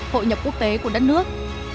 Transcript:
hội nhập quốc tế của đất nước